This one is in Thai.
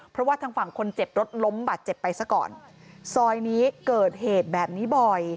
เพราะว่าทางฝั่งคนเจ็บรถล้มบาดเจ็บไปซะก่อนซอยนี้เกิดเหตุแบบนี้บ่อย